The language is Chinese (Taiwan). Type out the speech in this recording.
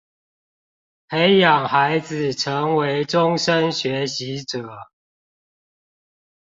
培養孩子成為終身學習者